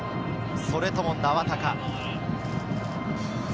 それとも名和田か？